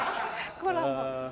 コラボ。